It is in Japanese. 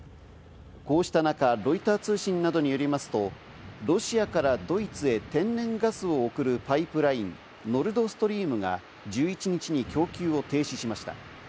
こうした中、ロイター通信などによりますと、ロシアからドイツへ天然ガスを送るパイプライン、ノルドストリームが１１日に供給を停止しました。